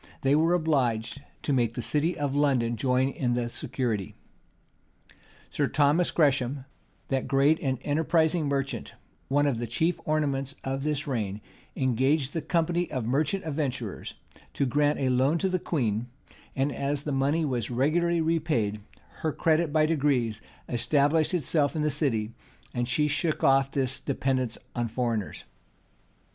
they were obliged to make the city of London join in the security. Sir Thomas Gresham, that great and enterprising merchant, one of the chief ornaments of this reign, engaged the company of merchant adventurers to grant a loan to the queen; and as the money was regularly repaid, her credit by degrees established itself in the city, and she shook off this dependence on foreigners.